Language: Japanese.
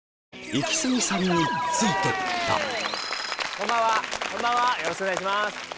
・こんばんはこんばんはよろしくお願いします